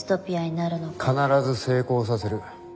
必ず成功させる。